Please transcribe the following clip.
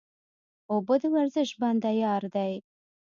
اوبه د ورزش بنده یار دی